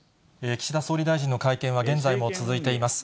岸田総理大臣の会見は現在も続いています。